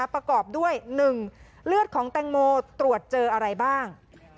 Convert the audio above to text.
ประกอบด้วย๑เลือดของแตงโมตรวจเจออะไรบ้าง